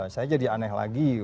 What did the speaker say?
saya jadi aneh lagi